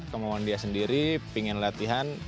kemauan dia sendiri pingin latihan